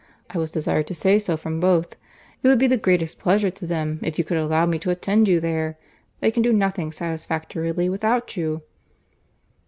I was desired to say so from both. It would be the greatest pleasure to them, if you could allow me to attend you there. They can do nothing satisfactorily without you."